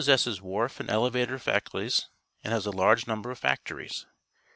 se.sses wliart' and elex'ator faciUtles and has a large number of factories.